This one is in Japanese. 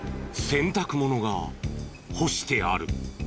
洗濯物が干してある。